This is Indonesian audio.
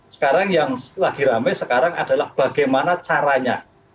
sekarang yang lagi rame sekarang adalah bagaimana caranya